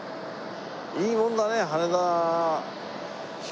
いいもんだね羽田。